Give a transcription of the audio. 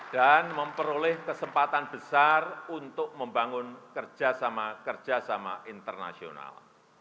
dan memperoleh kesempatan besar untuk membangun kerjasama kerjasama internasional